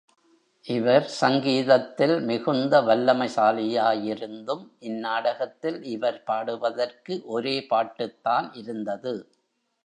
இவர் சங்கீதத்தில் மிகுந்த வல்லமைசாலியாயிருந்தும் இந்நாடகத் தில் இவர் பாடுவதற்கு, ஒரே பாட்டுதான் இருந்தது.